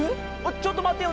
ちょっとまってよ